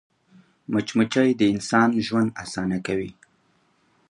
مچمچۍ د انسان ژوند اسانه کوي